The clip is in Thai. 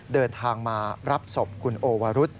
เดินทางมารับศพคุณโอวรุษ